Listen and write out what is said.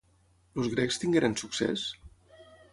Els grecs tingueren succés?